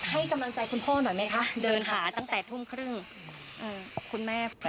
เมื่อกี้แม่ก็ตะโกนเรียกเลยว่าโหพ่อกลับมาดีใจ